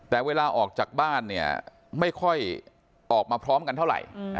แต่เวลาออกจากบ้านเนี่ยไม่ค่อยออกมาพร้อมกันเท่าไหร่